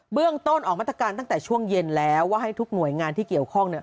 เรื่องต้นออกมาตรการตั้งแต่ช่วงเย็นแล้วว่าให้ทุกหน่วยงานที่เกี่ยวข้องเนี่ย